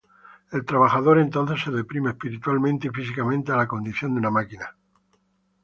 El trabajador entonces se "deprime espiritualmente y físicamente a la condición de una máquina".